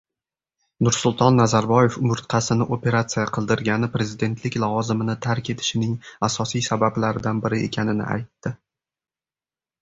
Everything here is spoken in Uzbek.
Nursulton Nazarboyev umurtqasini operatsiya qildirgani prezidentlik lavozimini tark etishining asosiy sabablaridan biri ekanini aytdi